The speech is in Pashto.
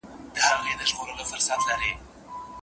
پخوا خلکو صحي وقایې ته څومره پاملرنه کوله؟